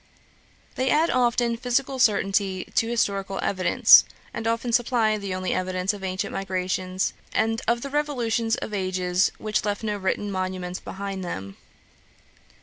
They add often physical certainty to historical evidence; and often supply the only evidence of ancient migrations, and of the revolutions of ages which left no written monuments behind them.